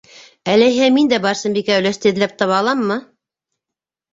Әләйһәң, мин дә Барсынбикә өләсте эҙләп таба аламмы?